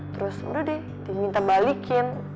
terus udah deh diminta balikin